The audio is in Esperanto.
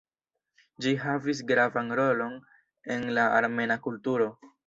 Ĝi havis gravan rolon en la armena kulturo.